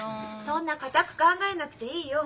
そんな堅く考えなくていいよ。